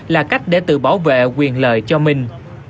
là cách để tự bảo vệ quyền lợi cho mình